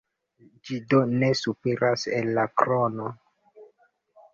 Ĝi do ne superas el la krono.